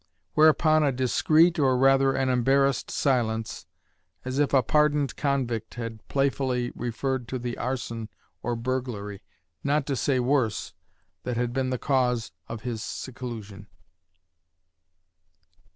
Whereupon a discreet, or rather an embarrassed silence, as if a pardoned convict had playfully referred to the arson or burglary, not to say worse, that had been the cause of his seclusion.